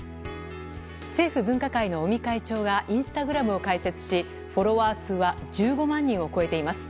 政府分科会の尾身会長がインスタグラムを開設しフォロワー数は１５万人を超えています。